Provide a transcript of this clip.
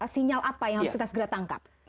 sinyal apa yang harus kita segera tangkap